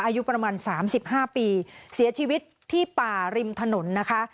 อายุประมาณ๓๕ปีเสียชีวิตที่ป่าริมถนนนะคะ